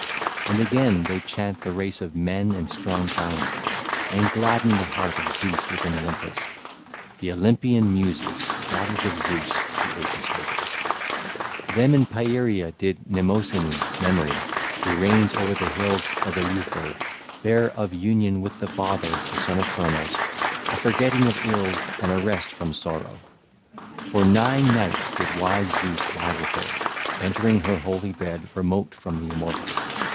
And again, they chant the race of men and strong giants, and gladden the heart of Zeus within Olympus,—the Olympian Muses, daughters of Zeus the aegis holder. (ll. 53 74) Them in Pieria did Mnemosyne (Memory), who reigns over the hills of Eleuther, bear of union with the father, the son of Cronos, a forgetting of ills and a rest from sorrow. For nine nights did wise Zeus lie with her, entering her holy bed remote from the immortals.